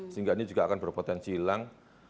sehingga ini juga akan berpotensi hilang